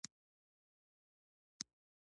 هر هېواد خپلې طبیعي سرچینې لري.